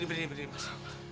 mas berdiri berdiri mas